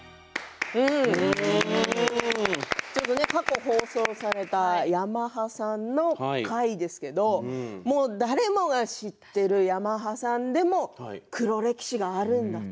過去放送されたヤマハさんの回ですけれど誰もが知っているヤマハさんでも黒歴史があるんだと。